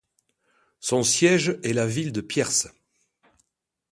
Son siège est la ville de Pierce.